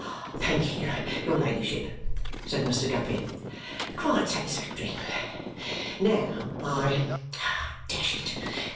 "Thank your ladyship," says Mr. Guppy; "quite satisfactory. Now I dash it!